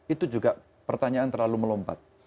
itu juga pertanyaan terlalu melompat